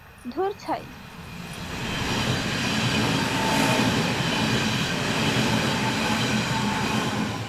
ধুর, ছাই।